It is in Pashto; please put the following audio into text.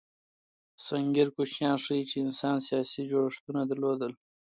سنګیر کوچنیان ښيي، چې انسان سیاسي جوړښتونه درلودل.